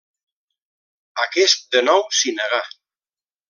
Aquest de nou s'hi negà.